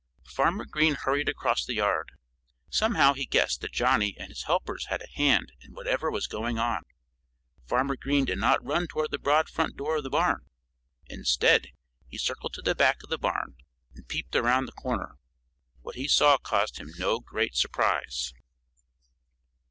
Farmer Green hurried across the yard. Somehow he guessed that Johnnie and his helpers had a hand in whatever was going on. Farmer Green did not run toward the broad front door of the barn. Instead he circled to the back of the barn and peeped around the corner. What he saw caused him no great surprise.